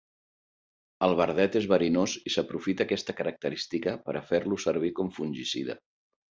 El verdet és verinós i s'aprofita aquesta característica per a fer-lo servir com fungicida.